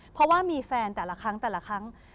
เพราะว่ามีแฟนแต่ละครั้ง